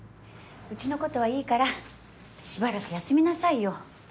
うちの事はいいからしばらく休みなさいよ。